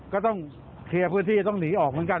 ก็ต้องเคลียร์พื้นที่ต้องหนีออกเหมือนกัน